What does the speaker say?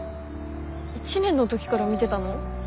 １年の時から見てたの？